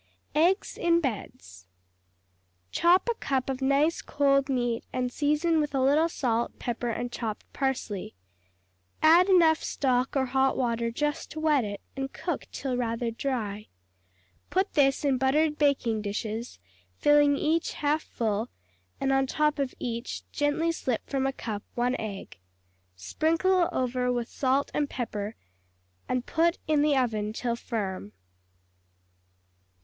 Eggs in Beds Chop a cup of nice cold meat, and season with a little salt, pepper and chopped parsley. Add enough stock or hot water just to wet it, and cook till rather dry. Put this in buttered baking dishes, filling each half full, and on top of each gently slip from a cup one egg. Sprinkle over with salt and pepper, and put in the oven till firm.